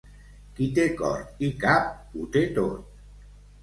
Qui té cor i cap ho té tot.